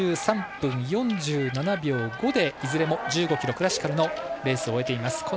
４３分４７秒５でいずれも１５ｋｍクラシカルのレースを終えています。